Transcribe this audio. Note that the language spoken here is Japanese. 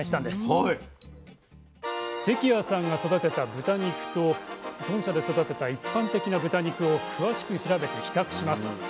関谷さんが育てた豚肉と豚舎で育てた一般的な豚肉を詳しく調べて比較します。